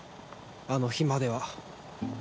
あの日までは